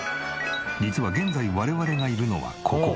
実は現在我々がいるのはここ。